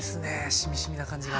しみしみな感じが。